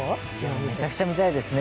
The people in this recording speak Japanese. めちゃくちゃ見たいですね。